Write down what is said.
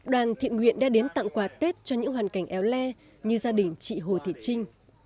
đoàn thiện nguyện đã đến tặng quà tết cho những hoàn cảnh éo le như gia đình chị hồ thị trinh